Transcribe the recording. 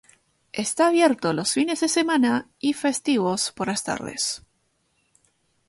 Está abierto los fines de semana y festivos por las tardes.